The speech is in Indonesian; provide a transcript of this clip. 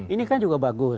ini kan juga bagus